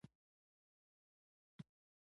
چې په را پاڅېدو سره به هر څه له منځه ولاړ شي.